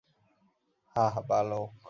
হাহ্, বালক?